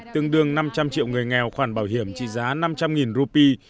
tương đương năm trăm linh triệu người nghèo khoản bảo hiểm trị giá năm trăm linh rupee